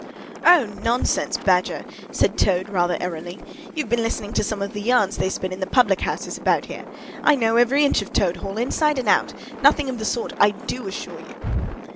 "O, nonsense! Badger," said Toad, rather airily. "You've been listening to some of the yarns they spin in the public houses about here. I know every inch of Toad Hall, inside and out. Nothing of the sort, I do assure you!"